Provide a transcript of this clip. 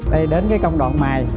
đây đến cái công đoạn mài